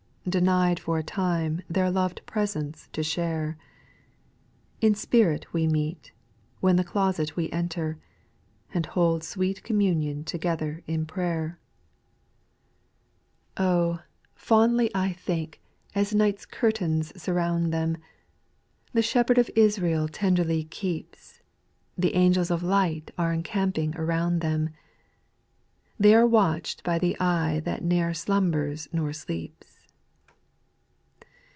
Denied for a time their loved presence to share. In spirit we meet, when the closet we enter, And hold sweet communion together in prayer I 2. Oh 1 fondly I think, as night's curtains sur round them, The Shepherd of Israel tenderly ^'^^^'3^^ ]48 SPIRITUAL SONGS. The angels of light are encamping around them, They are watched by the eye that ne'er slum bers nor sleep's.